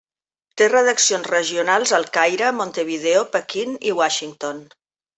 Té redaccions regionals al Caire, Montevideo, Pequín i Washington.